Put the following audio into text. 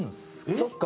そっか。